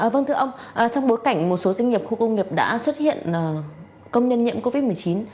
vâng thưa ông trong bối cảnh một số doanh nghiệp khu công nghiệp đã xuất hiện công nhân nhiễm covid một mươi chín